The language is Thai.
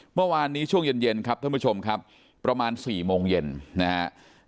เมื่อวานนี้ช่วงเย็นครับท่านผู้ชมครับประมาณ๔โมงเย็นนะครับ